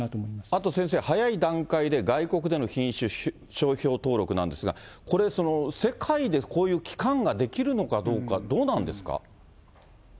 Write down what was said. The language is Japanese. あと先生、早い段階で外国での品種、商標登録なんですが、これ、世界でこういう機関が出来るのかどうか、どうなんですか。